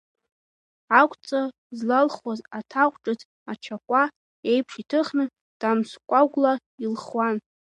Ақәҵа злалхуаз аҭаҟә ҿыц ачакәа аиԥш иҭыхны, ҭамскәагәла илхуан.